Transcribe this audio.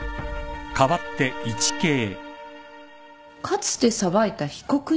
かつて裁いた被告人？